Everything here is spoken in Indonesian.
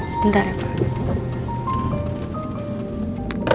sebentar ya pak